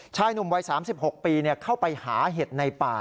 ชายหนุ่มวัย๓๖ปีเข้าไปหาเห็ดในป่า